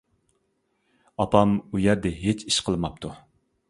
ئاپام ئۇ يەردە ھېچ ئىش قىلماپتۇ.